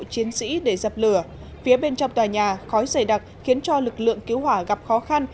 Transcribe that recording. chiến sĩ để dập lửa phía bên trong tòa nhà khói dày đặc khiến cho lực lượng cứu hỏa gặp khó khăn